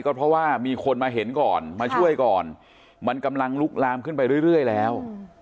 ก็เพราะว่ามีคนมาเห็นก่อนมาช่วยก่อนมันกำลังลุกลามขึ้นไปเรื่อยแล้ว